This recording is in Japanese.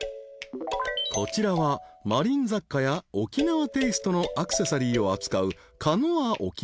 ［こちらはマリン雑貨や沖縄テイストのアクセサリーを扱う］